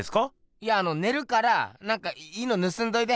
いやあのねるからなんかいいのぬすんどいて！